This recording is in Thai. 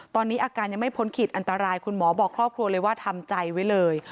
ตอนนี้อาการยังไม่พ้นขีดอันตรายคุณหมอบอกครอบครัวเลยว่าทำใจไว้เลย